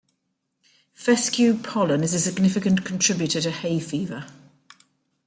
Fescue pollen is a significant contributor to hay fever.